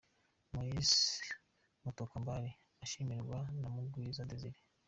Moise Mutokambali ashimirwa na Mugwiza Desire.